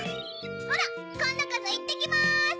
ほなこんどこそいってきます！